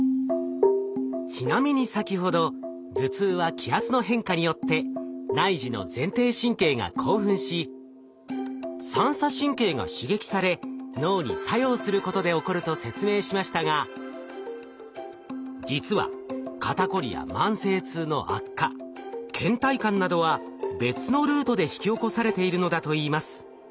ちなみに先ほど頭痛は気圧の変化によって内耳の前庭神経が興奮し三叉神経が刺激され脳に作用することで起こると説明しましたが実は肩こりや慢性痛の悪化けん怠感などは別のルートで引き起こされているのだといいます。